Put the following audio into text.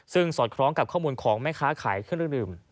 ซึ่งสอดคล้องกับข้อมูลของแม่ค้าขายเครื่องดื่ม